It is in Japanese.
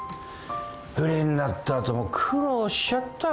フリーになった後も苦労しちゃったよ